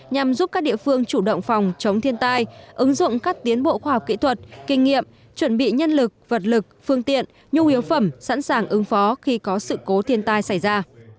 nhằm giúp các địa phương chủ động phòng chống thiên tai ứng dụng các tiến bộ khoa học kỹ thuật kinh nghiệm chuẩn bị nhân lực vật lực phương tiện nhu yếu phẩm sẵn sàng ứng phó khi có sự cố thiên tai xảy ra